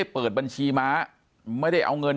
ปากกับภาคภูมิ